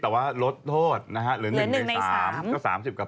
แต่ว่ารสเหลือ๓๕ปีอะไร